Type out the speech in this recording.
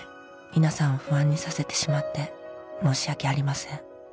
「皆さんを不安にさせてしまって申し訳ありません」